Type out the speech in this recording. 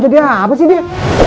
jadi apa sih dia